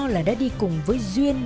là đã đi cùng với duyên